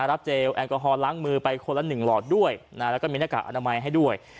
เจลแอลกอฮอลล้างมือไปคนละ๑หลอดด้วยแล้วก็มีหน้ากากอนามัยให้ด้วย